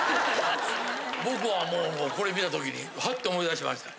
僕はもうこれ見た時にハッて思い出しました。